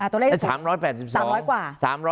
ตัวเลข๓๘๓๐๐กว่า